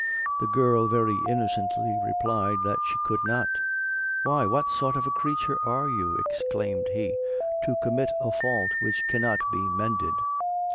The girl very innocently replied that she could not. "Why, what sort of a creature are you," exclaimed he, "to commit a fault which cannot be mended?"